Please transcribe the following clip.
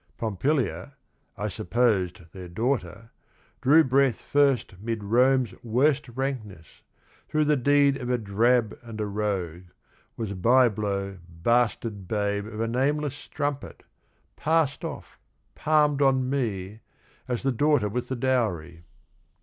Pompilia, I supposed their daughter, drew Breath first 'mid Rome's worst rankness, through the deed Of a drab and a rogue, was bye blow bastard babe Of a nameless strumpet, passed off, palmed on me As the daughter with the dowry.